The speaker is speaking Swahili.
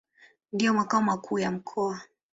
Ndio makao makuu ya mkoa.